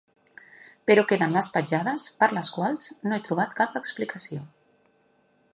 Però queden les petjades, per a les quals no he trobat cap explicació.